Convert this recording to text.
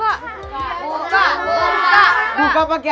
ayo cepetan buka